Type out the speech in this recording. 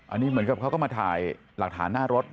อันนี้เหมือนกับเขาก็มาถ่ายหลักฐานหน้ารถ